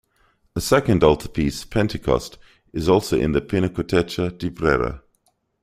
A second altarpiece, "Pentecost", is also in the Pinacoteca di Brera.